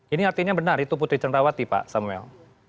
ini artinya benar itu putri cenrawati pak samuel